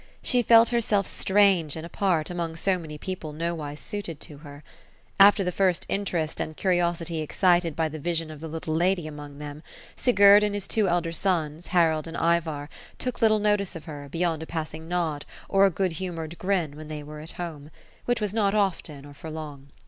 She felt herself strange and apart, among so many people nowise suited to her. Afier the first interest and curiosity excited by the vision of the little lady among them', Sigurd and his two elder sons, Harold and Ivar, took little notice of her, beyond a passing nod, or a good humoured grin, when they were at home, — ^which was not often, or for long.